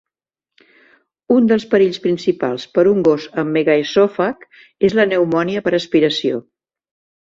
Un dels perills principals per a un gos amb megaesòfag és la pneumònia per aspiració.